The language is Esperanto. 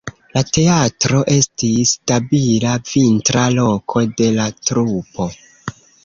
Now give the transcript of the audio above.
La teatro estis stabila vintra loko de la trupo.